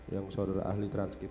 yang saudara ahli transkip